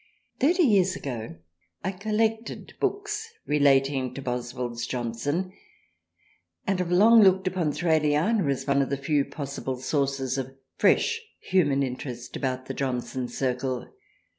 Thirty years ago I collected books relating to Boswell's Johnson and have long looked upon " Thraliana " as one of the few possible sources of fresh human interest about the Johnson circle.